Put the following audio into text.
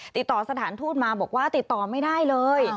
สถานทูตมาบอกว่าติดต่อไม่ได้เลย